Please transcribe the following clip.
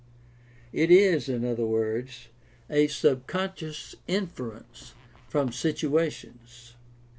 It is, in other words, a subconscious inference from situations.